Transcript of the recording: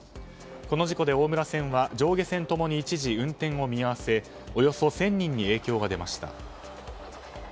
この事故で、大村線は上下線ともに一時運転を見合わせおよそ１０００人に影響が出ました。